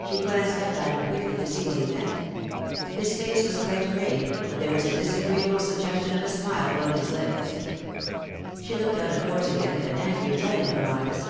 She glanced up at him quickly to see what he meant. His face was quite grave, but there was a disagreeable suggestion of a smile about his lips. She looked out of doors again with an angry light in her eyes.